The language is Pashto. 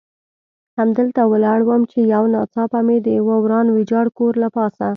همدلته ولاړ وم، چې یو ناڅاپه مې د یوه وران ویجاړ کور له پاسه.